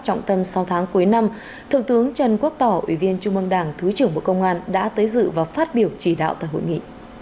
trọng tâm sáu tháng cuối năm thượng tướng trần quốc tỏ ủy viên trung mương đảng thứ trưởng bộ công an đã tới dự và phát biểu chỉ đạo tại hội nghị